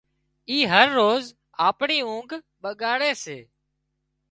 اي هروز آپڻي اونگھ ٻڳاڙي سي